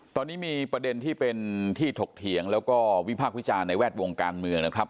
ตอนนี้มีประเด็นที่เป็นที่ถกเถียงแล้วก็วิพากษ์วิจารณ์ในแวดวงการเมืองนะครับ